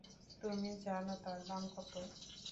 তুমি জানো তার দাম কত?